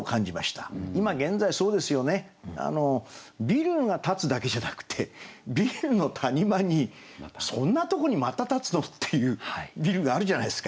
ビルが建つだけじゃなくてビルの谷間にそんなとこにまた建つの？っていうビルがあるじゃないですか。